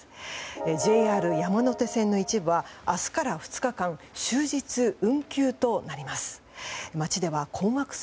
ＪＲ山手線の一部は明日から２日間終日運休となります。